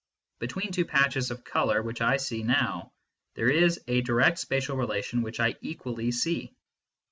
Between two patches of colour which I see now, there is a direct spatial relation which I equally see.